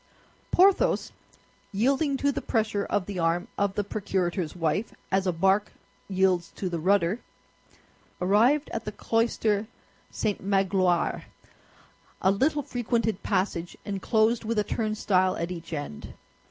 Porthos, yielding to the pressure of the arm of the procurator's wife, as a bark yields to the rudder, arrived at the cloister St. Magloire—a little frequented passage, enclosed with a turnstile at each end.